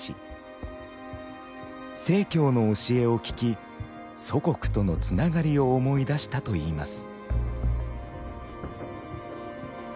正教の教えを聞き祖国とのつながりを思い出したといいます。